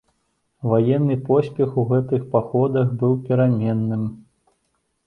Ваенны поспех у гэтых паходах быў пераменным.